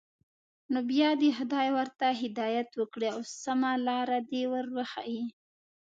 نو بیا دې خدای ورته هدایت وکړي او سمه لاره دې ور وښيي.